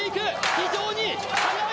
非常に速い。